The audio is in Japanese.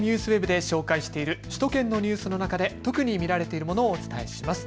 ＮＨＫＮＥＷＳＷＥＢで紹介している首都圏のニュースの中で特に見られているものをお伝えします。